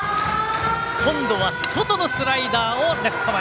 今度は外のスライダーをレフト前。